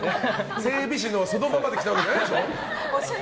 整備士のままで来たわけじゃないでしょ。